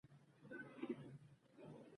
غرنۍ ، غونچه ، غاړه كۍ ، غوټۍ ، غرڅنۍ ، غاټوله